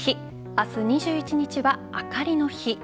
明日２１日はあかりの日。